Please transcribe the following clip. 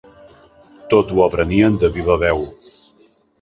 Tot ho aprenien de viva veu.